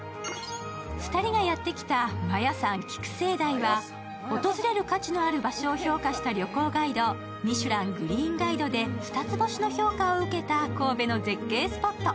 ２人がやってきた摩耶山掬星台は訪れる価値のある場所を評価した旅行ガイド、「ミシュラン・グリーンガイド」で二つ星の評価を受けた神戸の絶景スポット。